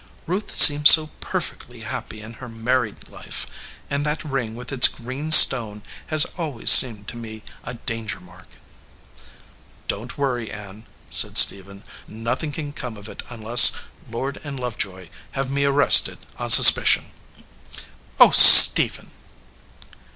"Ruth seems so per fectly happy in her married life, and that ring with its green stone has always seemed to me a danger mark." "Don t worry, Ann," said Stephen. "Nothing can come of it unless Lord & Lovejoy have me ar rested on suspicion." "Oh, Stephen!"